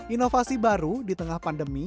inovasi baru di tengah pandemi